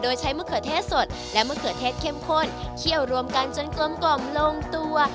โดยใช้มะเขือเทศสดและมะเขือเทศเข้มข้นเคี่ยวรวมกันจนกลมลงตัว